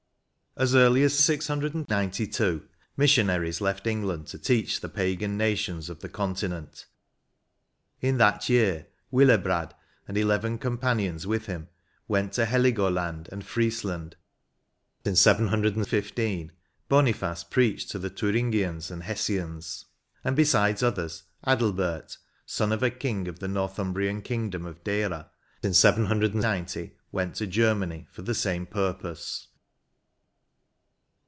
As early as 692, missionaries left England to teach the Pagan nations of the Continent ; in that year Willebrad, and eleven companions with him, went to Heligoland and Priesland. In 715 Boniface preached to die Thuringians and Hessians. And, besides others, Adalbert, son of a king of the Northumbriam kingdom of Deira, in 790, went to Germany for the same purpose.